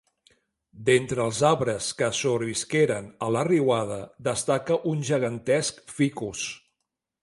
D'entre els arbres que sobrevisqueren a la riuada destaca un gegantesc ficus.